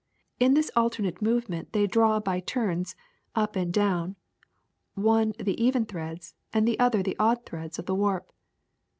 In this alter nate movement they draw by turns, up and down, one the even threads and the other the odd threads of the warp.